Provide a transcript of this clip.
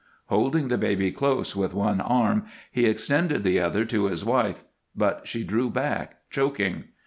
Holding the baby close with one arm, he extended the other to his wife, but she drew back, choking.